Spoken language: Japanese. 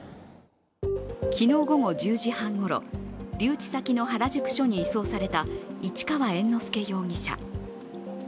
昨日午後１０時半ごろ留置先の原宿署に移送された市川猿之助容疑者。